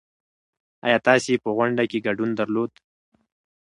ايا تاسې په غونډه کې ګډون درلود؟